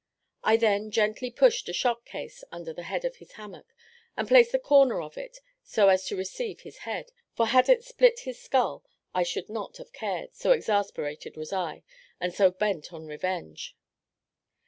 I then gently pushed a shot case under the head of his hammock, and placed the corner of it so as to receive his head; for had it split his skull I should not have cared, so exasperated was I, and so bent on revenge.